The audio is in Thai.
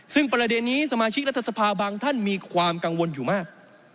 ซึ่งประเด็นนี้สมาชิกรัฐสภาบางท่านมีความกังวลอยู่มาก